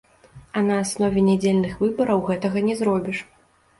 А на аснове нядзельных выбараў гэтага не зробіш.